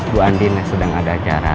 bu andina sedang ada acara